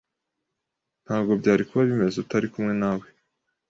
Ntabwo byari kuba bimeze utari kumwe nawe.